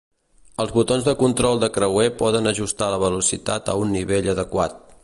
Els botons de control de creuer poden ajustar la velocitat a un nivell adequat.